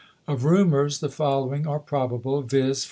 Of rumors, the following are probable, viz.